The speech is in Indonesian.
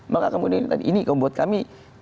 maka kemudian tadi ini kalau buat kami